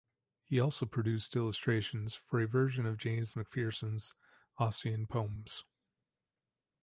He also produced illustrations for a version of James Macpherson's Ossian poems.